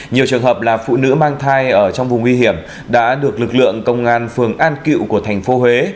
nhiều trường hợp là phụ nữ mang thai ở trong vùng nguy hiểm đã được lực lượng công an phường an cựu của thành phố huế